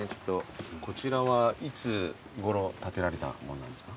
こちらはいつごろ建てられたものなんですか？